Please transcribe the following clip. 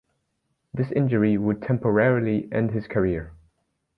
This injury would temporarily end his career.